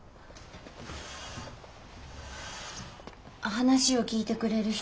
話を聞いてくれる人。